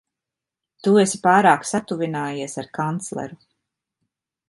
Tu esi pārāk satuvinājies ar kancleru.